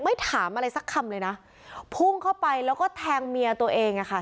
ถามอะไรสักคำเลยนะพุ่งเข้าไปแล้วก็แทงเมียตัวเองอ่ะค่ะ